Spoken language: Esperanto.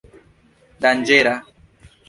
danĝera